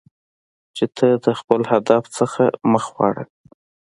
چې ته د خپل هدف څخه مخ واړوی.